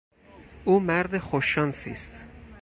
او مرد خوششانسی است.